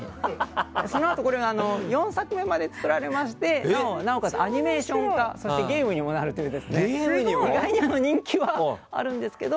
そのあと４作目まで作られましてなおかつアニメーション化そしてゲームにもなるという意外に人気はあるんですけど。